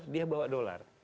dia bawa dolar